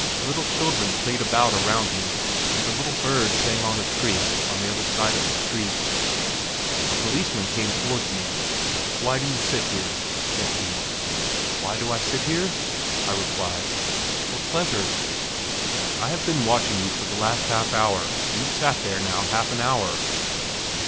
Little children played about around me, and a little bird sang on a tree on the other side of the street. A policeman came towards me. "Why do you sit here?" said he. "Why do I sit here?" I replied; "for pleasure." "I have been watching you for the last half hour. You've sat here now half an hour."